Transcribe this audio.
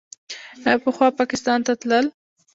آیا پخوا پاکستان ته تلل؟